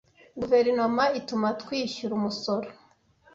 Guverinoma ituma twishyura umusoro.